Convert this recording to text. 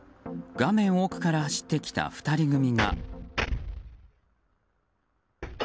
画面奥から走ってきた２人組が。